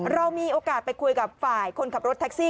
เรามีโอกาสไปคุยกับฝ่ายคนขับรถแท็กซี่